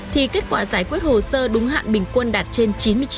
thì kết quả giải quyết hồ sơ đúng hạn bình quân đạt trên chín mươi chín